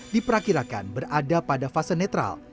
diperkirakan berada pada fase netral